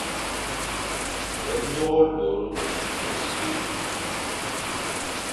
Be ndôghe lôr ôsṽi,